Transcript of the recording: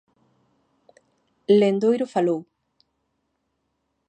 Lendoiro falou.